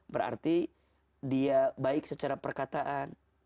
berarti dia baik secara perkataan